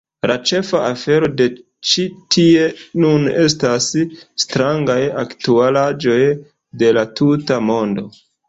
La ĉefa afero de Ĉi Tie Nun estas "strangaj aktualaĵoj de la tuta mondo.